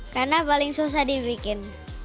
karena paling susah dibikin